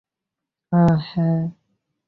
আঃ, হ্যাঁ।